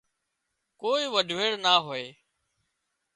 ڪوئي وڍويڙ نا هوئي